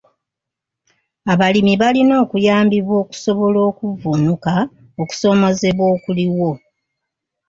Abalimi balina okuyambibwa okusobola okuvvuunuka okusoomoozebwa okuliwo.